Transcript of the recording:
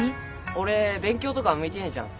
俺勉強とか向いてねえじゃん。